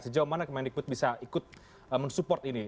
sejauh mana kemendikbud bisa ikut mensupport ini